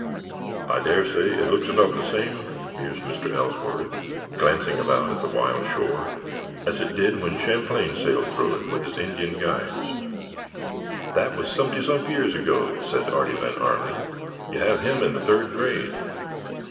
"I dare say it looks about the same," mused Mr. Ellsworth, glancing about at the wild shore, "as it did when Champlain sailed through it with his Indian guides——" "That was sumpty sump years ago," said Artie Van Arlen, "you have him in the third grade."